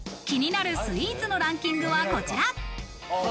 気になるスイーツのランキングはこちら。